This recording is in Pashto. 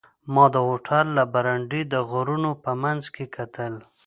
ما د هوټل له برنډې د غرونو په منځ کې کتل.